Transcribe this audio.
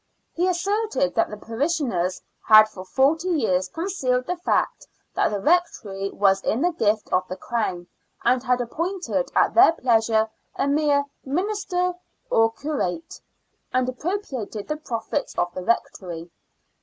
He asserted that the parishioners had for forty years concealed the fact that the rectory was in the gift of the Crown, and had appointed at their pleasure a mere " minister or curate," and appropriated the profits of the rectory.